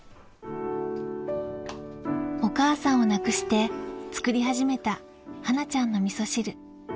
お母さんを亡くして作り始めた、はなちゃんのみそ汁。